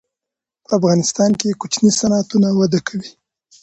په افغانستان کې کوچني صنعتونه وده کوي.